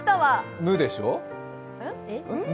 「む」でしょ？